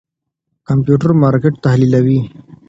کمپيوټر مارکېټ تحليلوي.